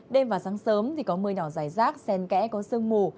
đêm và sáng sớm thì có mưa nhỏ dài rác sen kẽ có sương mù